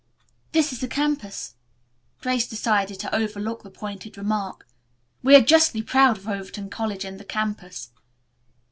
"This is the campus." Grace decided to overlook the pointed remark. "We are justly proud of Overton College and the campus."